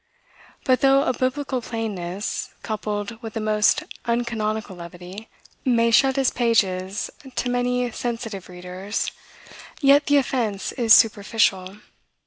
But, though a biblical plainness, coupled with a most uncanonical levity, may shut his pages to many sensitive readers, yet the offence is superficial.